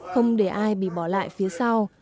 không để ai bị bỏ lại phía sau